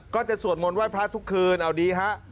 ก็จะสวดมนต์ไห้พระทุกคืนเอาดีฮะ